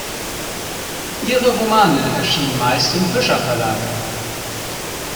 Ihre Romane erschienen meist im Fischer-Verlag.